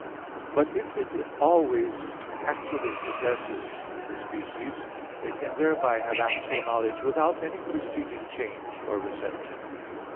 But if it always actually possesses the species, it can thereby have actual knowledge without any preceding change or reception.